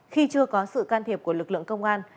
khi chưa có sự can thiệp của lực lượng công an